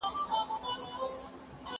زه اوږده وخت پوښتنه کوم؟!